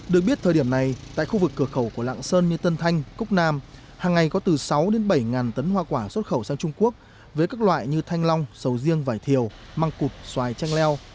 được biết thời điểm này tại khu vực cửa khẩu của lạng sơn như tân thanh cúc nam hàng ngày có từ sáu đến bảy tấn hoa quả xuất khẩu sang trung quốc với các loại như thanh long sầu riêng vải thiều măng cụt xoài chanh leo